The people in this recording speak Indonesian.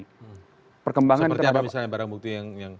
seperti apa misalnya barang bukti yang